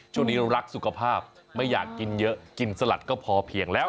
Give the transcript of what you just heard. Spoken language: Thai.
ช่วงนี้เรารักสุขภาพไม่อยากกินเยอะกินสลัดก็พอเพียงแล้ว